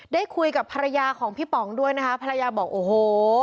ได้คุยกับภรรยาของพี่ป๋องด้วยนะคะภรรยาบอกโอ้โห